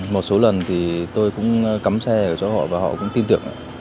một số lần thì tôi cũng cắm xe cho họ và họ cũng tin tưởng